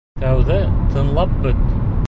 Тәүҙә тыңлап бөт.